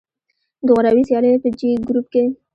د غوراوي سیالیو په جې ګروپ کې